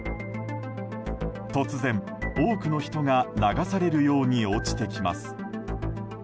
突然、多くの人が流されるように落ちてきます。